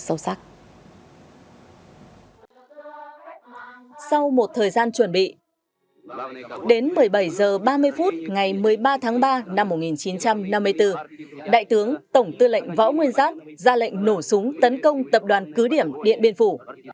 sau một thời gian chuẩn bị đến một mươi bảy h ba mươi phút ngày một mươi ba tháng ba năm một nghìn chín trăm năm mươi bốn đại tướng tổng tư lệnh võ nguyên giáp ra lệnh nổ súng tấn công tập đoàn cứ điểm điện biên phủ